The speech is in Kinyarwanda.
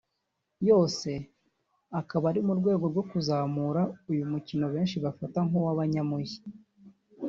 yose akaba ari mu rwego rwo kuzamura uyu mukino benshi bafata nk’uw’abanyamujyi